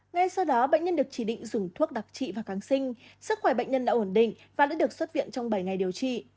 ngay sau đó bệnh nhân được chỉ định dùng thuốc đặc trị và kháng sinh sức khỏe bệnh nhân đã ổn định và đã được xuất viện trong bảy ngày điều trị